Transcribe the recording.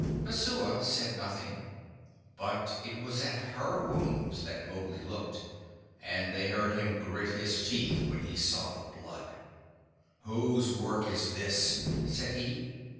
Messua said nothing, but it was at her wounds that Mowgli looked, and they heard him grit his teeth when he saw the blood. "Whose work is this?" said he.